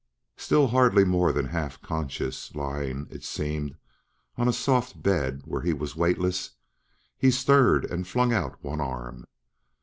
Still hardly more than half conscious, lying, it seemed, on a soft bed where he was weightless, he stirred and flung out one arm.